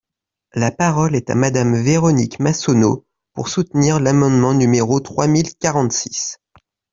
La parole est à Madame Véronique Massonneau, pour soutenir l’amendement numéro trois mille quarante-six.